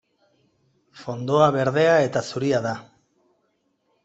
Fondoa berdea eta zuria da.